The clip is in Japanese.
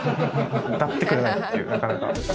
歌ってくれないっていうなかなか。